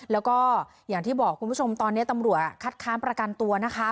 แล้วก็อย่างที่บอกคุณผู้ชมตอนนี้ตำรวจคัดค้านประกันตัวนะคะ